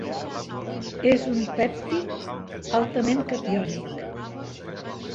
És un pèptid altament catiònic.